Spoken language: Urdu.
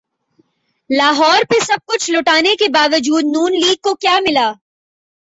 لاہور پہ سب کچھ لٹانے کے باوجود ن لیگ کو کیا ملا؟